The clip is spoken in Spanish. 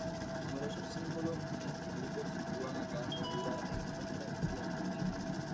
Numerosos símbolos y atributos sitúan a cada figura en una jerarquía muy rígida.